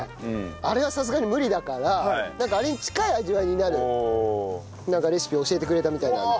あれはさすがに無理だからあれに近い味わいになるレシピを教えてくれたみたいなので。